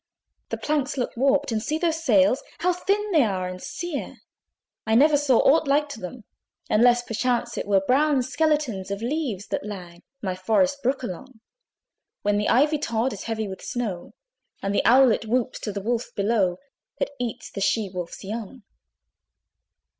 The planks looked warped! and see those sails, How thin they are and sere! I never saw aught like to them, Unless perchance it were "Brown skeletons of leaves that lag My forest brook along; When the ivy tod is heavy with snow, And the owlet whoops to the wolf below, That eats the she wolf's young."